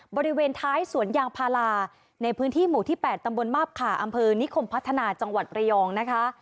บริเวณท้ายสวนยางพาราในพื้นที่หมู่ที่๘ตำบลมาบขาอำเภอนิคมพัฒนาจังหวัดระยองนะคะ